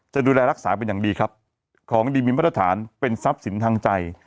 จะดูแลรักษาเป็นอย่างดีครับของดีมีมาตรฐานเป็นทรัพย์สินทางใจ